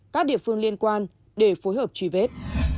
các địa phương liên quan để phối hợp truy vết